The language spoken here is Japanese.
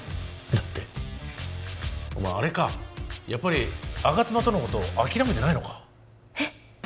だってお前あれかやっぱり吾妻とのこと諦めてないのかえっ？